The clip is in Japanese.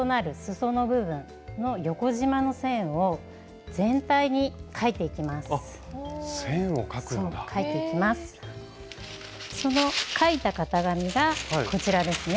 その描いた型紙がこちらですね。